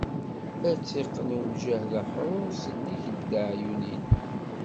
Ad tt-iqqen umjahed aḥrur, s nnig n teɛyunin.